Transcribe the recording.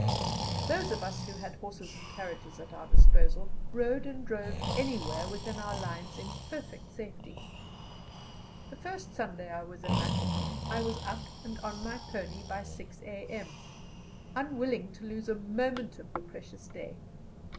Those of us who had horses and carriages at our disposal rode and drove anywhere within our lines in perfect safety. The first Sunday I was in Mafeking I was up and on my pony by 6 a.m., unwilling to lose a moment of the precious day.